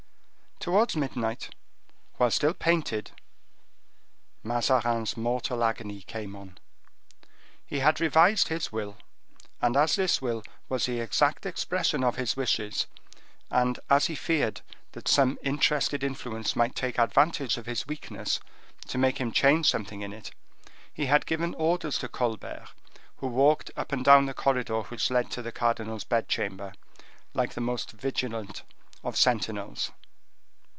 Towards midnight, while still painted, Mazarin's mortal agony came on. He had revised his will, and as this will was the exact expression of his wishes, and as he feared that some interested influence might take advantage of his weakness to make him change something in it, he had given orders to Colbert, who walked up and down the corridor which led to the cardinal's bed chamber, like the most vigilant of sentinels.